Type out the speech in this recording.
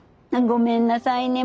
ごめんなさいね。